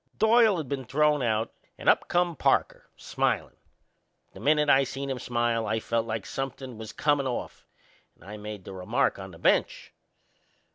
Doyle'd been throwed out and up come Parker, smilin'. The minute I seen him smile I felt like somethin' was comin' off and I made the remark on the bench.